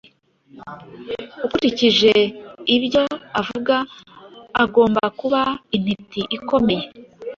Ukurikije ibyo uvuga, agomba kuba intiti ikomeye.